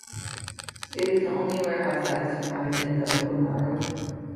It is the only warehouse that has survived in the Ofukemaru.